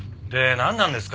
なんなんですか？